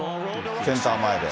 センター前で。